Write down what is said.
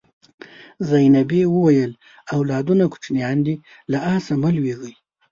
زینبې وویل اولادونه کوچنیان دي له آسه مه لوېږئ.